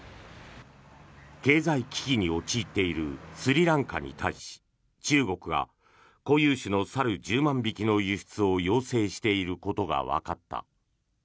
経済危機に陥っているスリランカに対し中国が固有種の猿１０万匹の輸出を要請していることがわかった。